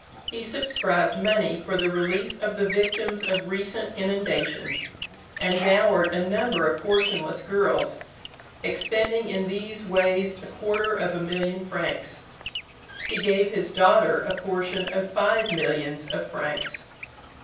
He subscribed money for the relief of the victims of recent inundations, and dowered a number of portionless girls; expending in these ways a quarter of a million francs. He gave his daughter a portion of five millions of francs.